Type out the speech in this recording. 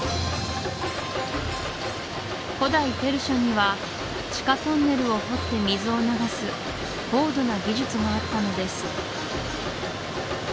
古代ペルシャには地下トンネルを掘って水を流す高度な技術があったのです